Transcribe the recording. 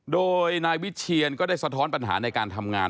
โดยนายวิเชียนก็ได้สะท้อนปัญหาในการทำงาน